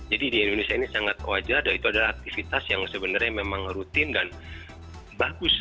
jadi di indonesia ini sangat wajar dan itu adalah aktivitas yang sebenarnya memang rutin dan bagus